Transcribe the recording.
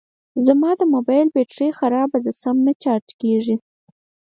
زما د موبایل بېټري خرابه ده سم نه چارج کېږي